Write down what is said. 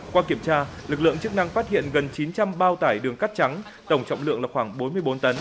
qua kiểm tra lực lượng chức năng phát hiện gần chín trăm linh bao tải đường cắt trắng tổng trọng lượng là khoảng bốn mươi bốn tấn